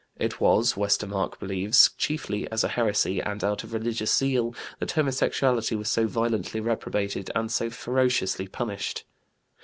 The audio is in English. It was, Westermarck believes, chiefly as a heresy and out of religious zeal that homosexuality was so violently reprobated and so ferociously punished.